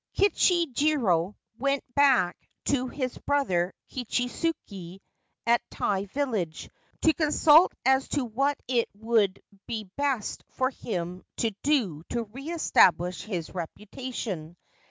Kichijiro went back to his brother Kichisuke at Tai village, to consult as to what it would be best for him to do to re establish his reputation.